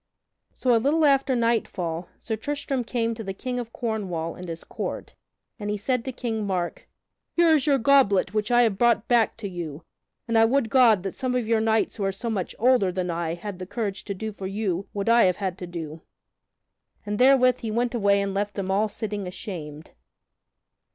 So a little after nightfall Sir Tristram came to the King of Cornwall and his court, and he said to King Mark: "Here is your goblet which I have brought back to you; and I would God that some of your knights who are so much older than I had the courage to do for you what I have had to do." And therewith he went away and left them all sitting ashamed.